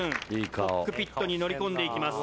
コックピットに乗り込んでいきます。